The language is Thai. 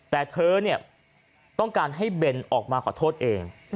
แต่เธอเนี่ยต้องการให้เบนออกมาขอโทษเอง